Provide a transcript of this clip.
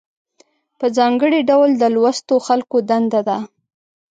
په ځانګړي ډول د لوستو خلکو دنده ده.